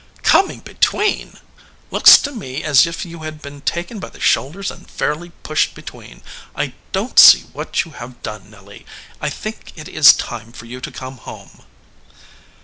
"Coming between ! Looks to me as if you had been taken by the shoulders and fairly pushed be tween. I don t see what you have done, Nelly. I think it is time for you to come home."